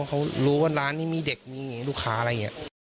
เขารู้ว่าร้านนี้มีเด็กมีลูกค้าอะไรอย่างนี้